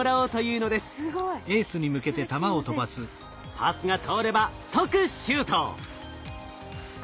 パスが通れば即シュート！